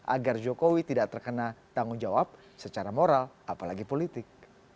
agar jokowi tidak terkena tanggung jawab secara moral apalagi politik